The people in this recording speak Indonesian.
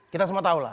kita semua tau lah